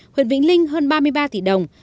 huyện vĩnh linh hơn ba mươi ba tỷ đồng